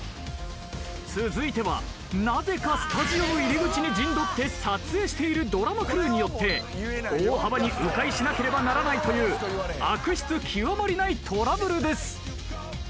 続いてはなぜかスタジオ入り口に陣取って撮影しているドラマクルーによって大幅に迂回しなければならないという悪質極まりないトラブルです。